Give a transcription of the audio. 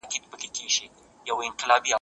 زه له سهاره سپينکۍ پرېولم